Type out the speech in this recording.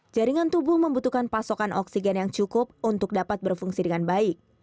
jaringan tubuh membutuhkan pasokan oksigen yang cukup untuk dapat berfungsi dengan baik